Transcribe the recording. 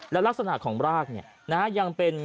และลักษณะของรากยังเป็น